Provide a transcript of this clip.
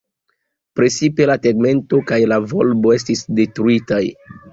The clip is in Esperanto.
Precipe la tegmento kaj la volbo estis detruitaj.